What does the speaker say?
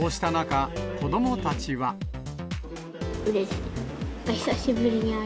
うれしい。